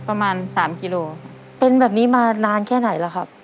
ประมาณสามกิโลเป็นแบบนี้มานานแค่ไหนแล้วครับ